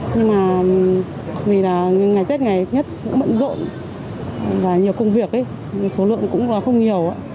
nhưng mà vì là ngày tết ngày tết cũng bận rộn và nhiều công việc số lượng cũng không nhiều